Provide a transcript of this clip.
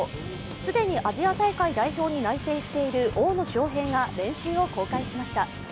既にアジア大会代表に内定している大野将平が練習を公開しました。